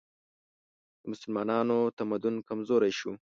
د مسلمانانو تمدن کمزوری شو